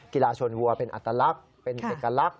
กีฬาชนวัวเป็นอัตลักษณ์เป็นเอกลักษณ์